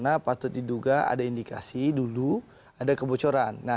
kami akan kembali